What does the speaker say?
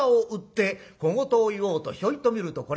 小言を言おうとひょいと見るとこれが私でしょ？